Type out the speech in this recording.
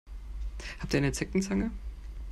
Habt ihr eine Zeckenzange?